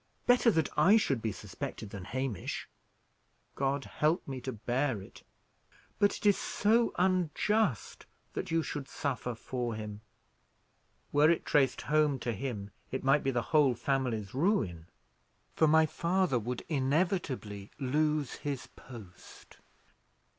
Better that I should be suspected than Hamish. God help me to bear it!" "But it is so unjust that you should suffer for him." "Were it traced home to him, it might be the whole family's ruin, for my father would inevitably lose his post.